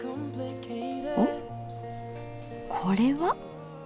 おっこれは。